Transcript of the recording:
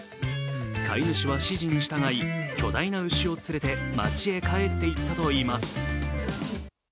飼い主は指示に従い巨大な牛を連れて街へ帰っていったといいます。